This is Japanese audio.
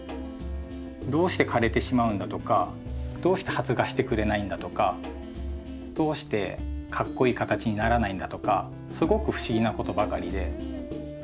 どうして枯れてしまうんだとかどうして発芽してくれないんだとかどうしてかっこイイ形にならないんだとかすごく不思議なことばかりで。